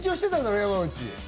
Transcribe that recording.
山内。